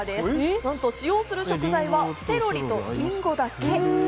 なんと使用する食材はセロリとりんごだけ。